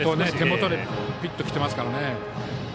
手元でクッときてますから。